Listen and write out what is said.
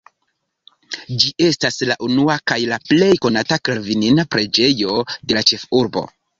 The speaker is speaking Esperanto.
Ĝi estas la unua kaj plej konata kalvinana preĝejo de la ĉefurbo.